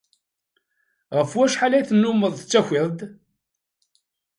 Ɣef wacḥal ay tennumeḍ tettakiḍ-d?